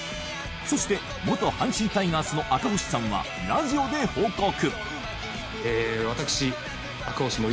そして元阪神タイガースの赤星さんはラジオで報告。